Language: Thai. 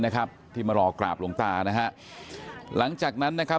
นะครับที่มารอกราบหลวงตานะฮะหลังจากนั้นนะครับ